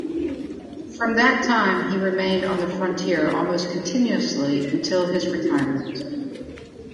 From that time he remained on the frontier almost continuously until his retirement.